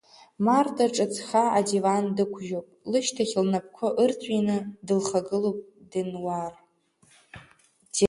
Марҭа ҿыцха адиван дықәжьуп, лышьҭахь лнапқәа ырҵәины дылхагылоуп Денуар.